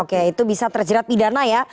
oke itu bisa terjerat pidana ya